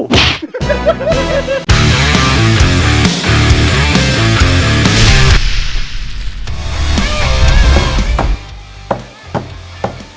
ฮ่า